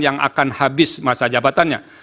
yang akan habis masa jabatannya